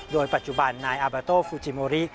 โดยปัจจุบันนายอาบาโตฟูจิโมริ